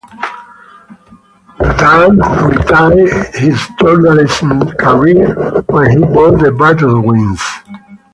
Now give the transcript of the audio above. Dan retired his Journalism career when he bought the Battle Wings.